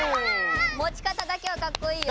もちかただけはカッコいいよ。